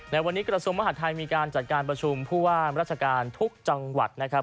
ในวันนี้กระทรวงมหาดไทยมีการจัดการประชุมผู้ว่ามราชการทุกจังหวัดนะครับ